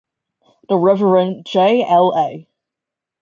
The Reverend J. L. A.